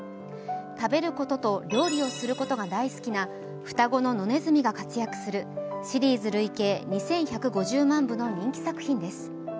食べることと料理をすることが大好きな双子の野ねずみが活躍するシリーズ累計２１５０万部の人気作品です。